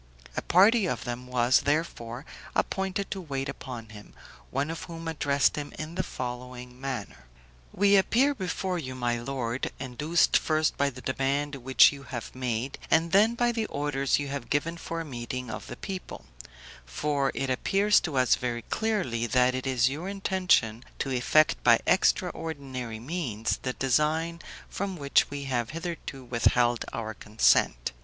A party of them was, therefore, appointed to wait upon him, one of whom addressed him in the following manner: "We appear before you, my lord, induced first by the demand which you have made, and then by the orders you have given for a meeting of the people; for it appears to us very clearly, that it is your intention to effect by extraordinary means the design from which we have hitherto withheld our consent.